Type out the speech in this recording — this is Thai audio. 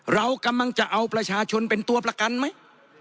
เรากำลังจะเอาประชาชนเป็นตัวประกันไหม